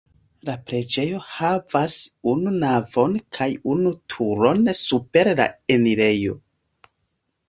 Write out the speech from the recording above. La preĝejo havas unu navon kaj unu turon super la enirejo.